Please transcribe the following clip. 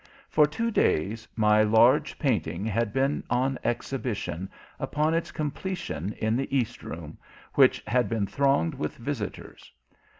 For two days my large painting had been on exhibition, upon its completion, in the East Room, which had been thronged with visitors.